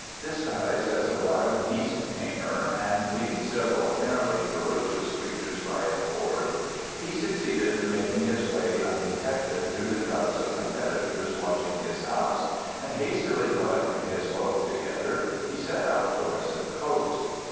Disguised as a wild beast tamer, and leading several apparently ferocious creatures by a cord, he succeeded in making his way undetected through the crowds of competitors watching his house, and hastily collecting his wealth together he set out towards the coast.